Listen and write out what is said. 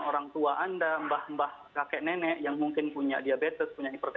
orang tua anda mbah mbah kakek nenek yang mungkin punya diabetes punya hipertensi